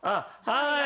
はい。